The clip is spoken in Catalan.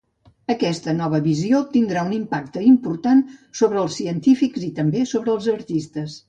Aquesta nova visió tindrà un impacte important sobre els científics i també sobre els artistes.